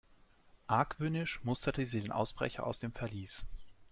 Argwöhnisch musterte sie den Ausbrecher aus dem Verlies.